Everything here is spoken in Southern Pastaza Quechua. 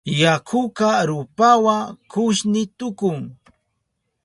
Yakuka rupawa kushni tukun.